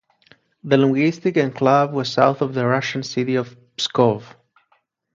The linguistic enclave was south of the Russian city of Pskov.